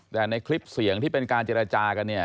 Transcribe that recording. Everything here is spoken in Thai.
แต่ในคลิปเสียงที่เป็นการเจรจากันเนี่ย